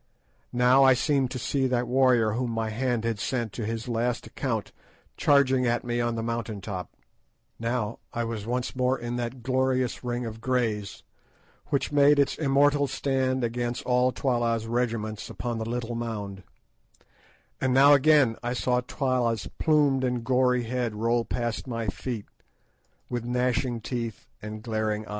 Now I seemed to see that warrior whom my hand had sent to his last account charging at me on the mountain top; now I was once more in that glorious ring of Greys, which made its immortal stand against all Twala's regiments upon the little mound; and now again I saw Twala's plumed and gory head roll past my feet with gnashing teeth and glaring eye.